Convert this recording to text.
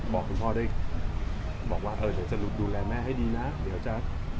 บอกคุณพ่อได้บอกมาเดี๋ยวจะดูแลแม่ให้ดีนะ